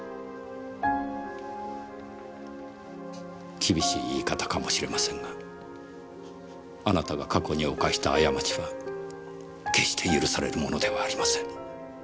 厳しい言い方かもしれませんがあなたが過去に犯した過ちは決して許されるものではありません。